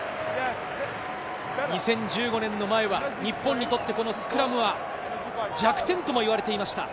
２０１５年では、日本にとってスクラムは弱点ともいわれていました。